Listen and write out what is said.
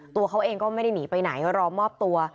ตัวเขาเองก็ไม่ได้หนีไปไหนรอมอบตัว